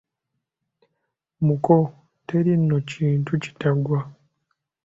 Muko, teri nno kintu kitaggwa.